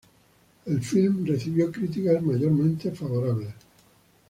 El film recibió críticas mayormente favorables.